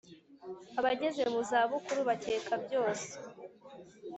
abageze mu zabukuru bakeka byose,